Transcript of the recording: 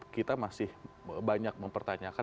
kita masih banyak mempertanyakan